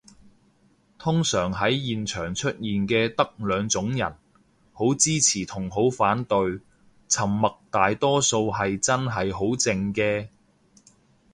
通常喺現場出現嘅得兩種人，好支持同好反對，沉默大多數係真係好靜嘅